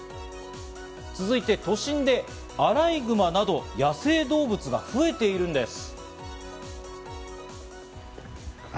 続いて、都心でアライグマなど野生動物が増えているんです。